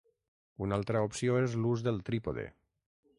Una altra opció és l'ús del trípode.